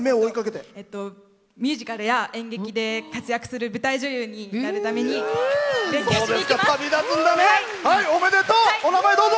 ミュージカルや演劇で活躍する舞台女優になるためにお名前をどうぞ。